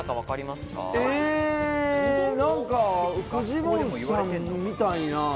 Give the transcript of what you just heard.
なんかフジモンさんみたいな。